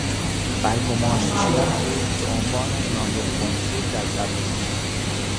برگماشته شدن او به عنوان نایب قنسول در تبریز